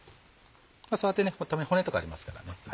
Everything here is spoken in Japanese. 触ってたまに骨とかありますから。